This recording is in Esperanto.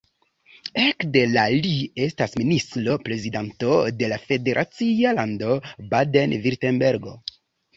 Ekde la li estas ministro-prezidanto de la federacia lando Baden-Virtembergo.